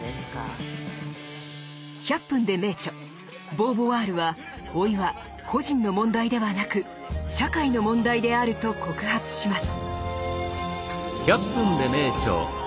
ボーヴォワールは「老い」は個人の問題ではなく社会の問題であると告発します。